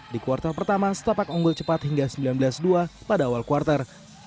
di kuartal pertama setapak unggul cepat hingga sembilan belas dua pada awal kuartal